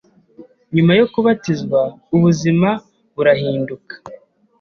nyuma yo kubatizwa ubuzima burahinduka